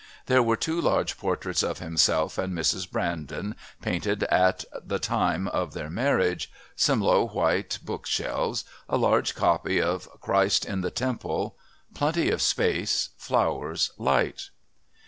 There were two large portraits of himself and Mrs. Brandon painted at the time of their marriage, some low white book shelves, a large copy of "Christ in the Temple" plenty of space, flowers, light.